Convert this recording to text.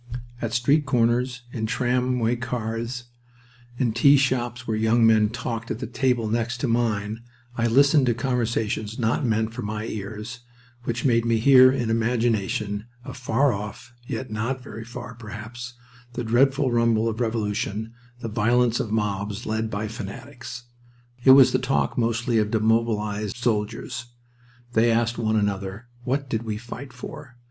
At street corners, in tramway cars, in tea shops where young men talked at the table next to mine I listened to conversations not meant for my ears, which made me hear in imagination and afar off (yet not very far, perhaps) the dreadful rumble of revolution, the violence of mobs led by fanatics. It was the talk, mostly, of demobilized soldiers. They asked one another, "What did we fight for?"